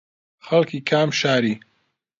خەڵکی کام شاری